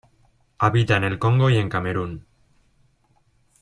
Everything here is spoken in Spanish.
Habita en el Congo y en Camerún.